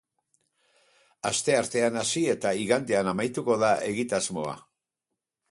Asteartean hasi eta igandean amaituko da egitasmoa.